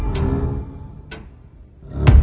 ที่สุดท้าย